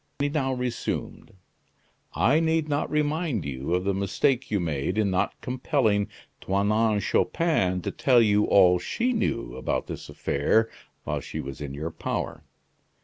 He now resumed: "I need not remind you of the mistake you made in not compelling Toinon Chupin to tell you all she knew about this affair while she was in your power.